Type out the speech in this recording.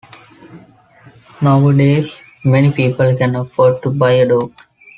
Nowadays, many people can afford to buy a dog.